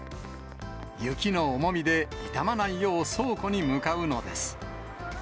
雪の重みで傷まないよう、倉庫に向かうのです。